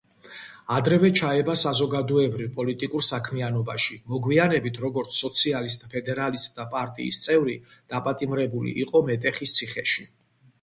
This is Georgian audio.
ადრევე ჩაება საზოგადოებრივ-პოლიტიკურ საქმიანობაში; მოგვიანებით, როგორც სოციალისტ-ფედერალისტთა პარტიის წევრი, დაპატიმრებული იყო მეტეხის ციხეში.